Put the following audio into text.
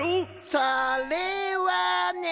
それはね。